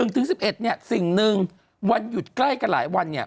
๑ถึง๑๑เนี่ยสิ่ง๑วันหยุดใกล้กันหลายวันเนี่ย